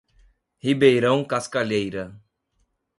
Ribeirão Cascalheira